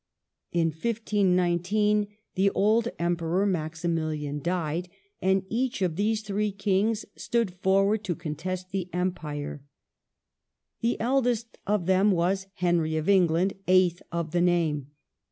In 1 5 19 the old Emperor Maximilian died, and each of these three kings stood forward to contest the Empire. The eldest of them was Henry of England, eighth of the name.